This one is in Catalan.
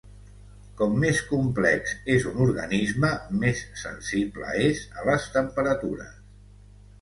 Com més complex és un organisme, més sensible és a les temperatures.